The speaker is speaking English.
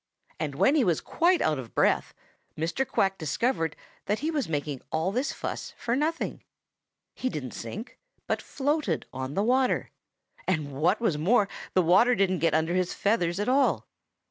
And when he was quite out of breath, Mr. Quack discovered that he was making all this fuss for nothing. He didn't sink, but floated on the water, and what was more the water didn't get under his feathers at all.